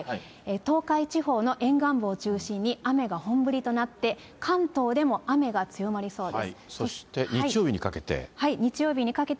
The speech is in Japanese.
東海地方の沿岸部を中心に雨が本降りとなって、関東でも雨が強まそして、日曜日にかけて。